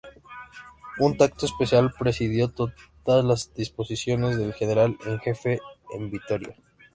Un tacto especial presidió todas las disposiciones del general en jefe en Vitoria.